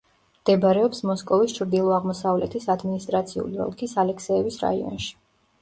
მდებარეობს მოსკოვის ჩრდილო-აღმოსავლეთის ადმინისტრაციული ოლქის ალექსეევის რაიონში.